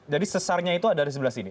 jadi sesarnya itu ada di sebelah sini